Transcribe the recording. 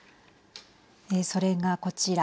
それが、こちら。